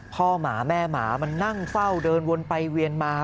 หมาแม่หมามันนั่งเฝ้าเดินวนไปเวียนมา